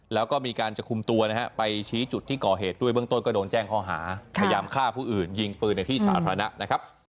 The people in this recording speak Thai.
แล้วก็มีการจะคุมตัวนะฮะไปชี้จุดที่ก่อเหตุด้วยเบื้องต้นก็โดนแจ้งข้อหาพยายามฆ่าผู้อื่นยิงปืนในที่สาธารณะนะครับ